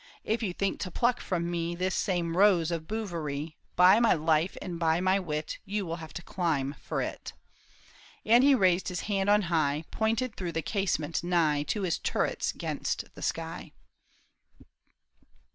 " If you think to pluck from me This same rose of Bouverie, By my life and by my wit You will have to climb for it." THE TOWER OF BO UV ERIE. And he raised his hand on high, Pointed through the casement nigh To his turrets 'gainst the sky.